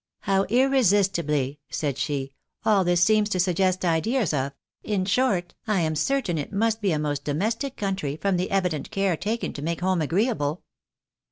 " How irresistibly," said she, " all this seems to suggest ideas of — in short, I am certain it must be a most domestic country from the evident care taken to make home agreeable."